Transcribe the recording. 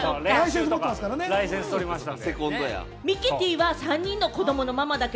ライセンスとりましたから。